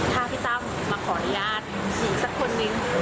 ถ้าพี่ตั้มมาขออนุญาตอีกสักคนนึง